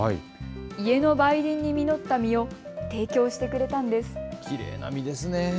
家の梅林に実った実を提供してくれたんです。